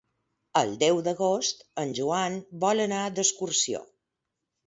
El deu d'agost en Joan vol anar d'excursió.